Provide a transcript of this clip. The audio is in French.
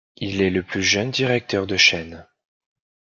Il est le plus jeune directeur de chaîne.